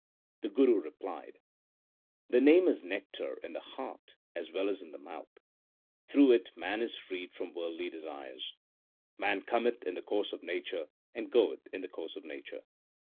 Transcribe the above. The Guru replied : The Name is nectar in the heart as well as in the mouth : Through it man is freed from worldly desires. Man cometh in the course of nature and goeth in the course of nature.